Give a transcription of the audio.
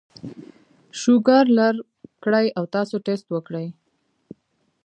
شوګر لر کړي او تاسو ټېسټ وکړئ